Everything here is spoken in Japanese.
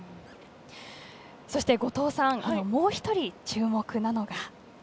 そして、後藤さんもう１人注目なのが？